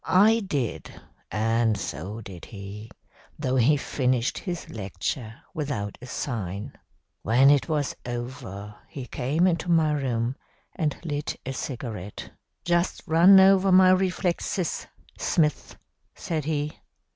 I did, and so did he, though he finished his lecture without a sign. "When it was over he came into my room and lit a cigarette. "'Just run over my reflexes, Smith,' said he.